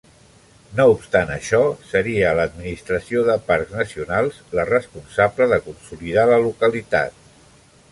No obstant això, seria l'Administració de Parcs Nacionals la responsable de consolidar la localitat.